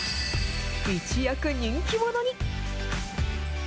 一躍人気者に。